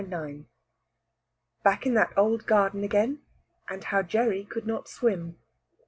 BACK IN THAT OLD GARDEN AGAIN, AND HOW GERRY COULD NOT SWIM.